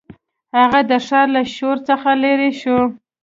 هغه د ښار له شور څخه لیرې شو.